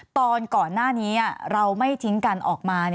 ตอนก่อนหน้านี้เราไม่ทิ้งกันออกมา